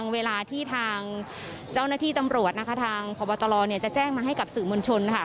เวลาที่ทางเจ้าหน้าที่ตำรวจทางพบตรจะแจ้งมาให้กับสื่อมวลชน